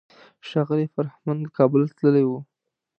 ښاغلی فرهمند له کابله تللی و.